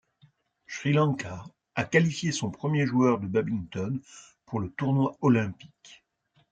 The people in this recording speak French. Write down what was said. Sri Lanka a qualifié son premier joueur de badminton pour le tournoi olympique.